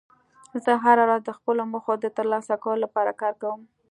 زه هره ورځ د خپلو موخو د ترلاسه کولو لپاره کار کوم